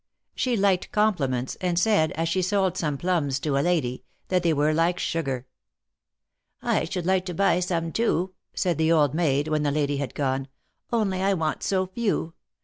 She liked compliments, and said, as she sold some plums to a lady, that they were like sugar. "I should like to buy some, too," said the old maid, when the lady had gone, "only I want so few.